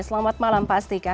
selamat malam pak astika